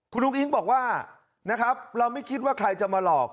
คุณอุ้งอิ๊งบอกว่านะครับเราไม่คิดว่าใครจะมาหลอก